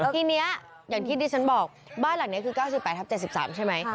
ทีนี้อย่างที่ดิฉันบอกบ้านหลังนี้คือ๙๘ทับ๗๓ใช่ไหม